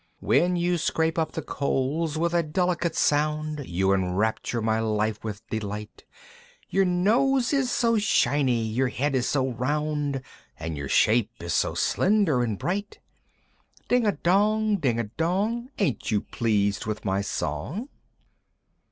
"When you scrape up the coals with a delicate sound, "You enrapture my life with delight! "Your nose is so shiny! your head is so round! "And your shape is so slender and bright! "Ding a dong! Ding a dong! "Ain't you pleased with my song?"